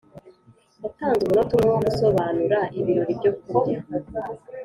yatanze umunota umwe wo gusobanura ibirori byo kurya.